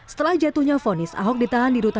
setelah jatuhnya vonis ahok ditahan dirututkan